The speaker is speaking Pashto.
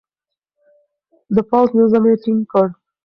د پوځ نظم يې ټينګ کړ.